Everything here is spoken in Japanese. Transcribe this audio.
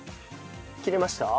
切れました？